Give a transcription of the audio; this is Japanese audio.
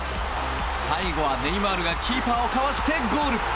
最後はネイマールがキーパーをかわしてゴール！